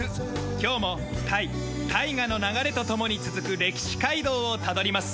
今日もタイ大河の流れと共に続く歴史街道をたどります。